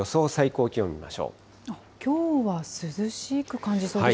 きょうは涼しく感じそうです